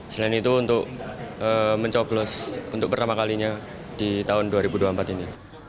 selain itu untuk mencoblos untuk pertama kalinya di tahun dua ribu dua puluh empat ini